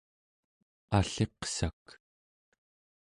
alliqsak